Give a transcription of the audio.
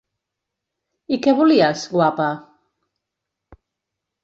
I què volies, guapa?